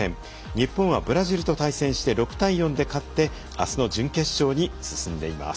日本はブラジルと対戦して６対４で勝ってあすの準決勝に進んでいます。